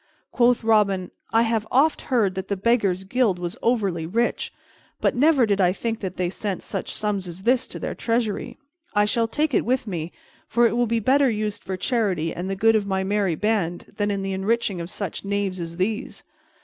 Quoth Robin, "I have oft heard that the Beggars' Guild was over rich, but never did I think that they sent such sums as this to their treasury. I shall take it with me, for it will be better used for charity and the good of my merry band than in the enriching of such knaves as these."